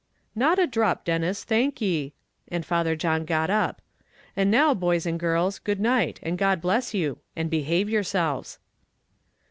"Not a drop, Denis, thank ye," and Father John got up; "and now, boys and girls, good night, and God bless you and behave yourselves."